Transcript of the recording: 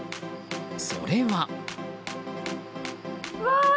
それは。